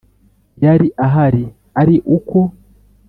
yari ahari ari uko